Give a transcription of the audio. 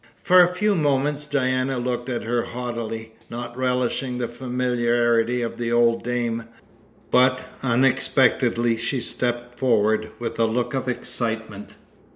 For a few moments Diana looked at her haughtily, not relishing the familiarity of the old dame, but unexpectedly she stepped forward with a look of excitement.